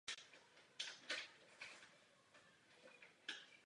Tento návrh směrnice však již po cestě utrpěl několik nehod.